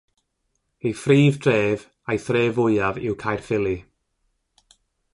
Ei phrif dref a'i thref fwyaf yw Caerffili.